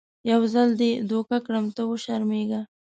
که یو ځل دې دوکه کړم ته وشرمېږه .